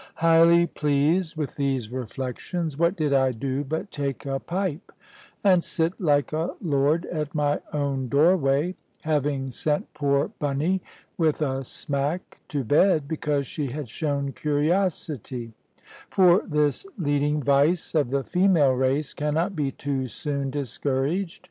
Highly pleased with these reflections, what did I do but take a pipe, and sit like a lord at my own doorway, having sent poor Bunny with a smack to bed, because she had shown curiosity: for this leading vice of the female race cannot be too soon discouraged.